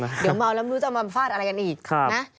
เดี๋ยวเมาแล้วไม่รู้จะมาฟาดอะไรกันอีกนะ